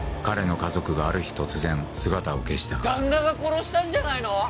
彼の家族がある日突然姿を消した旦那が殺したんじゃないの？